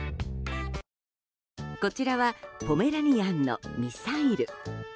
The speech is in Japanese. こちらはポメラニアンの、ミサイル。